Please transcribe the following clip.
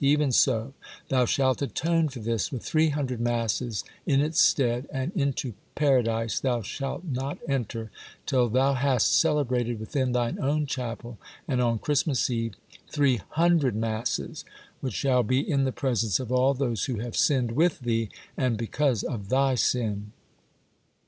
Even so ! thou shalt atone for this with three hundred masses in its stead, and into Paradise thou shalt not enter till thou hast celebrated within thine own chapel, and on Christ mas eve, three hundred masses, which shall be in 268 Monday Tales, the presence of all those who have sinned with thee and because of thy sin."